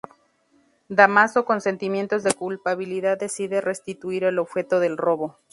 Dámaso, con sentimientos de culpabilidad decide restituir el objeto del robo.